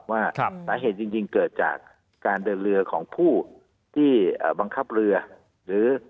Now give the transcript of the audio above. ว่าสาเหตุจริงเกิดจากการเดินเรือของผู้ที่บังคับเรือหรือ